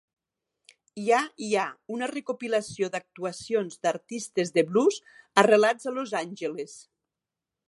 "Ya Ya", una recopilació d'actuacions d'artistes de blues arrelats a Los Angeles.